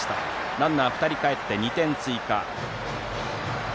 ランナー２人がかえって２点追加。